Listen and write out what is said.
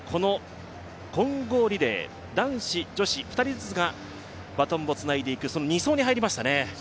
混合リレー男子、女子、２人ずつがバトンをつないでいく、その２走に入りましたね。